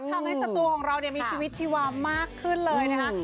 ทำให้สัตว์ของเรามีชีวิตที่วามมากขึ้นเลย